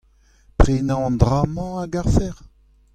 Prenañ an dra-mañ a garfec'h ?